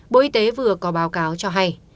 bộ y tế vừa có báo cáo cho hay